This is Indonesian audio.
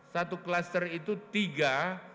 satu klaster itu tiga